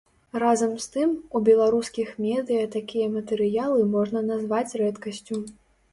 Разам з тым, у беларускіх медыя такія матэрыялы можна назваць рэдкасцю.